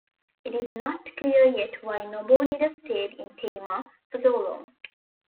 It is not clear yet why Nabonidus stayed in Tayma for so long.